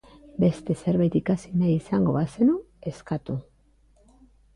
Beste zerbait ikasi nahi izango bazenu, eskatu.